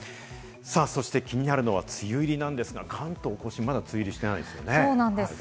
そして気になるのは梅雨入りなんですが、関東甲信、まだ梅雨入りしてないですよね。